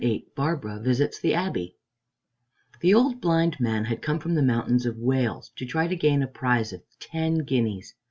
VIII BARBARA VISITS THE ABBEY The old blind man had come from the mountains of Wales to try to gain a prize of ten guineas.